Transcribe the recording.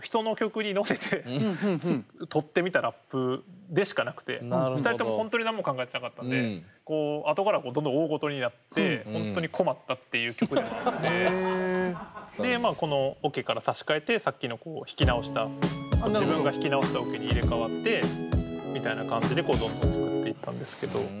だからでしかなくて２人とも本当に何も考えてなかったんであとからどんどん大ごとになって本当に困ったっていう曲でもあってでこのオケから差し替えてさっきの弾き直した自分が弾き直したオケに入れ代わってみたいな感じでどんどん作っていったんですけど。